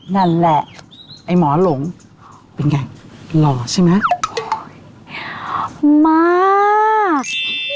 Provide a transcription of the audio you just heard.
นั่นแหละไอ้หมอหลงเป็นไงหล่อใช่ไหมมาก